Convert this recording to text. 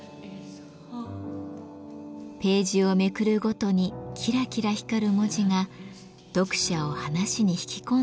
ページをめくるごとにキラキラ光る文字が読者を話に引き込んでゆくという仕掛け。